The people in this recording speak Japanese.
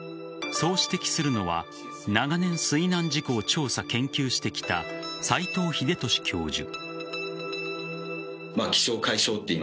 そう指摘するのは長年、水難事故を調査、研究してきた斎藤秀俊教授。